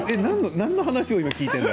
何の話を聞いているの。